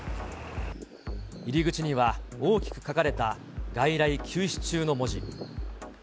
入り口には大きく書かれた外来休止中の文字。